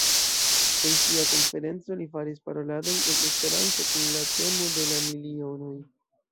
En tia konferenco li faris paroladon en Esperanto kun la temo de la Milionoj.